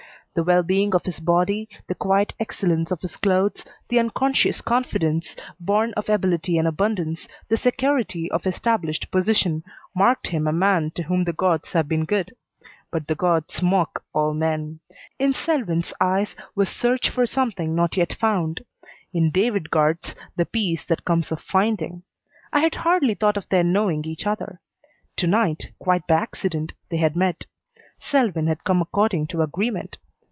The well being of his body, the quiet excellence of his clothes, the unconscious confidence, born of ability and abundance, the security of established position, marked him a man to whom the gods have been good. But the gods mock all men. In Selwyn's eyes was search for something not yet found. In David Guard's the peace that comes of finding. I had hardly thought of their knowing each other. To night, quite by accident, they had met. Selwyn had come according to agreement.